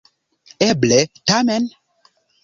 Eble, tamen?